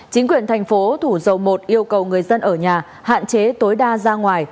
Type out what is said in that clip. chính quyền thành phố thủ dầu một yêu cầu người dân ở nhà hạn chế tối đa ra ngoài